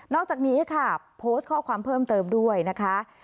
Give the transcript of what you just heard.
อกจากนี้ค่ะโพสต์ข้อความเพิ่มเติมด้วยนะคะ